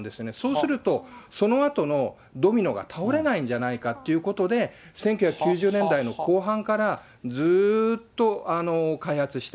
そうすると、そのあとのドミノが倒れないんじゃないかっていうことで、１９９０年代の後半からずーっと開発した。